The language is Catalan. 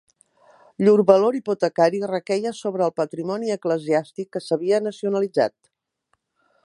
Llur valor hipotecari requeia sobre el patrimoni eclesiàstic que s'havia nacionalitzat.